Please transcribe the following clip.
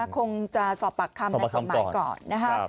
คงจะสอบปากคำนายสมหมายก่อนนะครับ